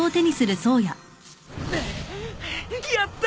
やった！